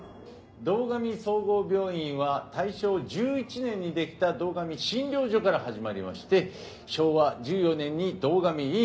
堂上総合病院は大正１１年にできた堂上診療所から始まりまして昭和１４年に堂上医院